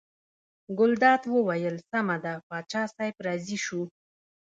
ګلداد وویل سمه ده پاچا صاحب راضي شو.